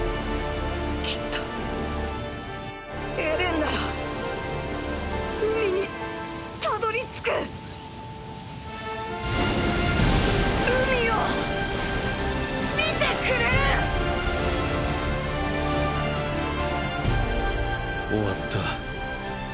きっとエレンなら海にたどりつく海を見てくれる終わった。